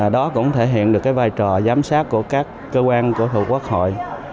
đó cũng thể hiện được cái vai trò giám sát của các cơ quan của thủ quốc hội